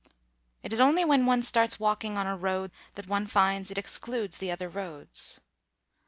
It is only when one starts walking on a road that one finds it excludes the other roads.